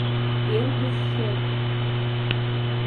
— Эргычше?..